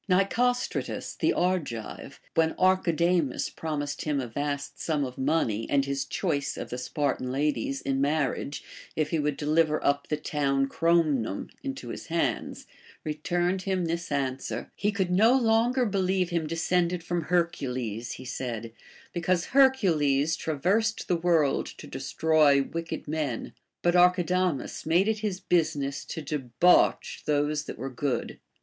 Nicostratus the Argive, \vhen Archidamus promised him a vast sum of money and his choice of the Spartan ladies in marriage, if he Avould deliver up the town Cromnum into his hands, returned him this answer : He could no longer believe him descended from Hercules, he said, because Hercules traversed the world to destroy wicked men, but Archidamus made it his business to debauch those BASIIFULNESS. 75 that Avere good.